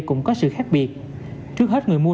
cũng có sự khác biệt trước hết người mua